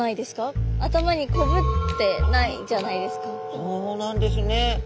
そうなんですね。